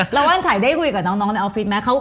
แล้วว่านฉัยได้คุยกับน้องในออฟฟิศไหม